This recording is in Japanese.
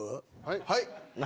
はい？